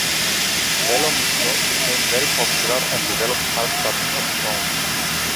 "Velo misto" became very popular and developed cult status of its own.